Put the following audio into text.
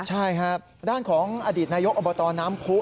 ใช่ครับด้านของอดีตนายกอบตน้ำคุ